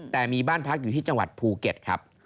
แต่มีบ้านพักอยู่ที่จังหวัดภูเก็ตครับ